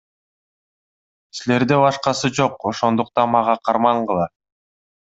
Силерде башкасы жок, ошондуктан мага кармангыла.